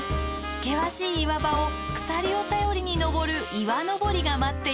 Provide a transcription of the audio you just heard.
険しい岩場を鎖を頼りに登る岩登りが待っています。